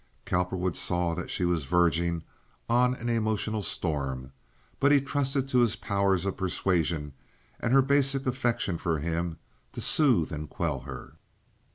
Cowperwood saw that she was verging on an emotional storm, but he trusted to his powers of persuasion, and her basic affection for him, to soothe and quell her.